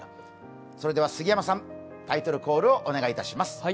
それでは杉山さん、タイトルコールをお願いします。